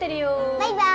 バイバーイ！